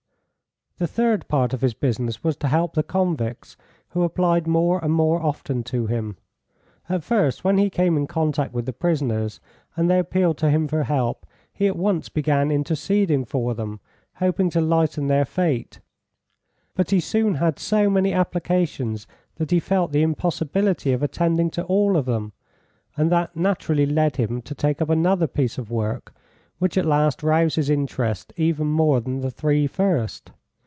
The third part of his business was to help the convicts, who applied more and more often to him. At first when he came in contact with the prisoners, and they appealed to him for help, he at once began interceding for them, hoping to lighten their fate, but he soon had so many applications that he felt the impossibility of attending to all of them, and that naturally led him to take up another piece of work, which at last roused his interest even more than the three first.